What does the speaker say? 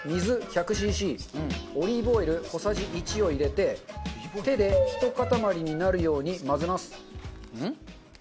シーシーオリーブオイル小さじ１を入れて手でひと塊になるように混ぜます。